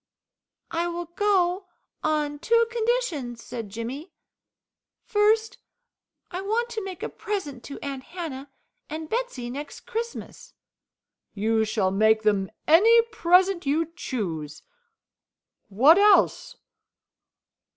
"I will go on two conditions," said Jimmy. "First, I want to make a present to Aunt Hannah and Betsey, next Christmas." "You shall make them any present you choose. What else?"